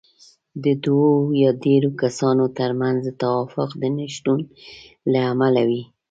د دوو يا ډېرو کسانو ترمنځ د توافق د نشتون له امله وي.